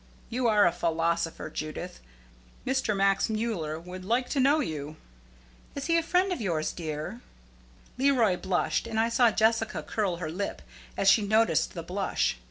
"You are a philosopher, Judith. Mr. Max Mueller would like to know you." "Is he a friend of yours, dear?" Leroy blushed, and I saw Jessica curl her lip as she noticed the blush.